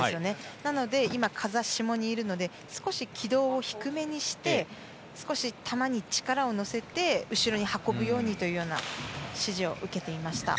なので今、風下にいるので少し軌道を低めにして少し球に力を乗せて後ろに運ぶようという指示を受けていました。